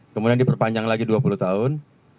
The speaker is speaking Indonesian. kemudian diperpanjang lagi dua puluh tahun